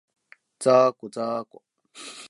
ざーこ、ざーこ